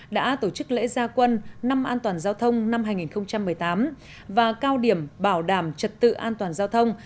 đã tổ chức lễ gia quân năm an toàn giao thông năm hai nghìn một mươi tám và cao điểm bảo đảm trật tự an toàn giao thông